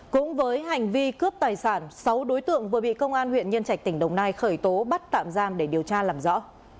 cũng với hành vi cướp tài sản sáu đối tượng vừa bị công an huyện nhân trạch tỉnh đồng nai khởi tố bắt tạm giam để điều tra làm rõ